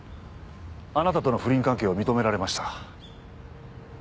あなたとの不倫関係を認められました。